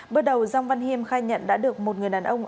bước đầu giang văn hiêm khai nhận đã được một người đàn ông